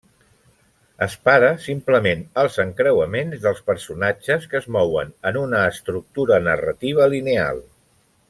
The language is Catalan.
Es para simplement als encreuaments dels personatges que es mouen en una estructura narrativa lineal.